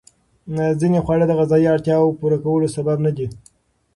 ځینې خواړه د غذایي اړتیاوو پوره کولو سبب ندي.